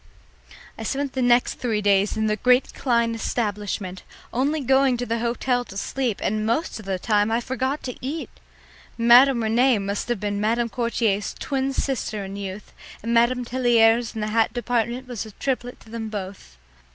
I spent three days at the great Klein establishment, only going to the hotel to sleep, and most of the time I forgot to eat. Madame Rene must have been Madame Courtier's twin sister in youth, and Madame Telliers in the hat department was the triplet to them both.